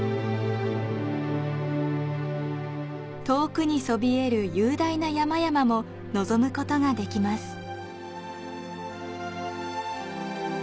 遠くにそびえる雄大な山々も望むことができます。